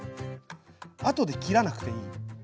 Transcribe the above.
後で切らなくていい。